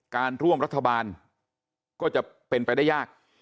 การร่วมรัฐบาลก็จะเป็นไปได้ยาก